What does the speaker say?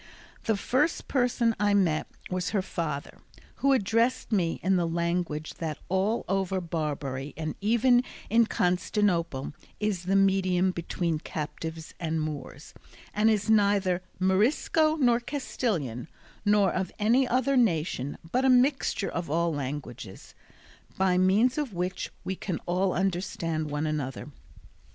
The first person I met was her father, who addressed me in the language that all over Barbary and even in Constantinople is the medium between captives and Moors, and is neither Morisco nor Castilian, nor of any other nation, but a mixture of all languages, by means of which we can all understand one another.